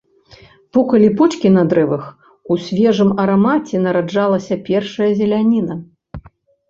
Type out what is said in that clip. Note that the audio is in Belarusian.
Пукалі почкі на дрэвах, у свежым арамаце нараджалася першая зеляніна.